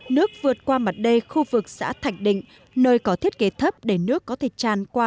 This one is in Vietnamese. nước vượt qua mặt đê khu vực xã thạch định nơi có thiết kế thấp để nước có thể tràn qua